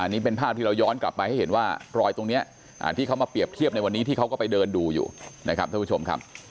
นี่เป็นภาพที่เราย้อนกลับไปให้เห็นว่ารอยตรงนี้ที่เขามาเปรียบเทียบในวันนี้ที่เขาก็ไปเดินดูอยู่นะครับท่านผู้ชมครับ